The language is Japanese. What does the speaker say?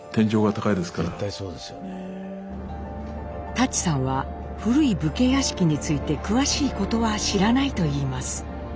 舘さんは古い武家屋敷について詳しいことは知らないといいます。